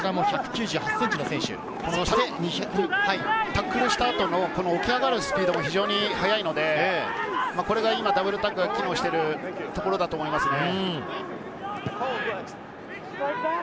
タックルした後の起き上がるスピードも速いので、ダブルタックルが機能しているところだと思いますね。